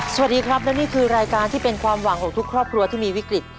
สวัสดีครับและนี่คือรายการที่เป็นความหวังของทุกครอบครัวที่มีวิกฤต